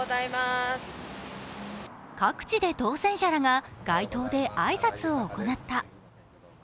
各地で当選者らが街頭で挨拶を行った。